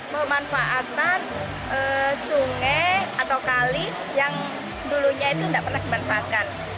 pemanfaatan sungai atau kali yang dulunya itu tidak pernah dimanfaatkan